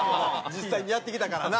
実際にやってきたからな。